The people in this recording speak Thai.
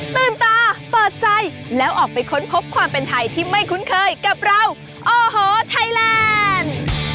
ตื่นตาเปิดใจแล้วออกไปค้นพบความเป็นไทยที่ไม่คุ้นเคยกับเราโอ้โหไทยแลนด์